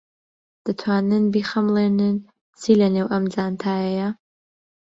دەتوانن بیخەملێنن چی لەنێو ئەم جانتایەیە؟